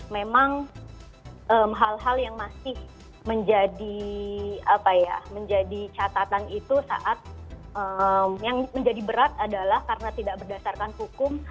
memang hal hal yang masih menjadi catatan itu saat yang menjadi berat adalah karena tidak berdasarkan hukum